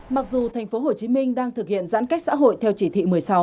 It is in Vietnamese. mặc dù tp hcm đang thực hiện giãn cách xã hội theo chỉ thị một mươi sáu